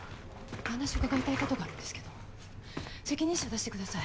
・お話伺いたい事があるんですけど責任者出してください。